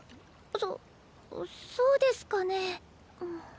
そそうですかね。